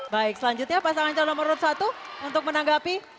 baik selanjutnya pasangan calon nomor satu untuk menanggapi